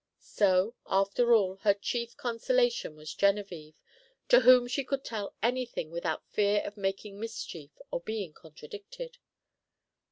So, after all, her chief consolation was Genevieve, to whom she could tell any thing without fear of making mischief or being contradicted.